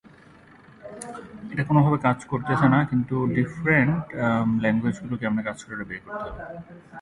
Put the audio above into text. He then worked for many years for Peugeot.